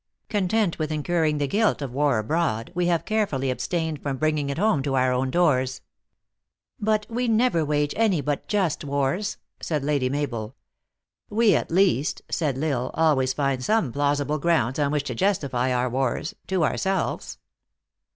Content with incur ing the guilt of war abroad, we have carefully ab stained from bringing it home to our own doors." u But we never wage any but just wars," said Lady Mabel. u We, at least," said L Isle, " always find some plausible grounds on which to justify our wars to ourselves."